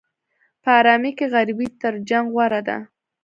په ارامۍ کې غریبي تر جنګ غوره ده.